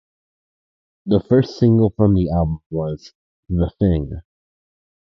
The first single from the album was "The Thing".